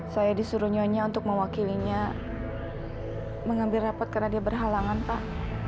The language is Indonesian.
saya disuruh nyonya untuk mewakilinya mengambil repot karena dia berhalangan pak